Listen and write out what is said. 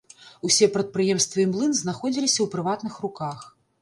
Усе прадпрыемствы і млын знаходзіліся ў прыватных руках.